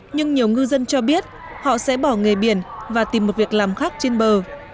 nhưng nhiều ngư dân cho biết họ sẽ bỏ nghề biển và tìm một việc làm khác trên bờ